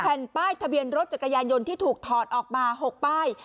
แผ่นป้ายทะเบียนรถจักรยานยนต์ที่ถูกถอดออกมา๖ป้าย